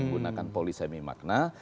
menggunakan polisemi makna